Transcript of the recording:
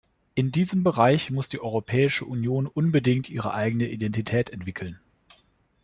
In diesem Bereich muss die Europäische Union unbedingt ihre eigene Identität entwickeln.